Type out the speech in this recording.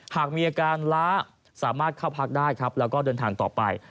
หากมีอาการล้าสามารถเข้าพักได้ครับแล้วก็เดินทางต่อไป